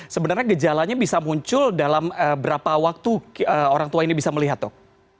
sebenarnya gejalanya bisa muncul dalam berapa waktu orang tua ini bisa melihat dok